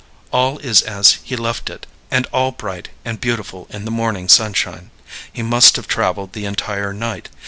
All is as he left it, and all bright and beautiful in the morning sunshine. He must have traveled the entire night.